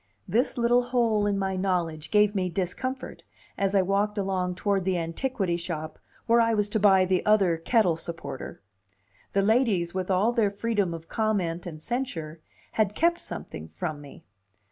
This little hole in my knowledge gave me discomfort as I walked along toward the antiquity shop where I was to buy the other kettle supporter. The ladies, with all their freedom of comment and censure, had kept something from me.